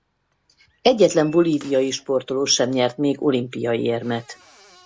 Egyetlen bolíviai sportoló sem nyert még olimpiai érmet.